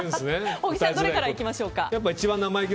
小木さんどれからいきましょう？